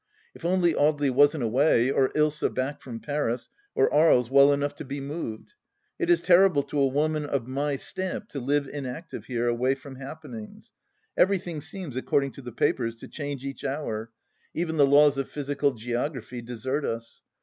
If only Audely wasn't away, or Ilsa back from Paris, or Aries well enough to be moved I It is terrible to a woman of my stamp to live inactive here, away from happenings. Everything seems, according to the papers, to change each hour ; even the laws of physical geography desert us.